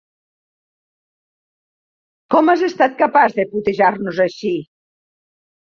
Com has estat capaç de putejar-nos així?